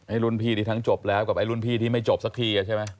รุ่นพี่ที่ทั้งจบแล้วกับไอ้รุ่นพี่ที่ไม่จบสักทีใช่ไหม